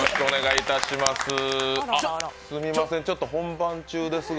すみません、ちょっと本番中ですが。